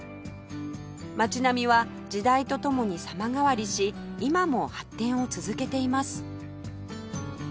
街並みは時代と共に様変わりし今も発展を続けています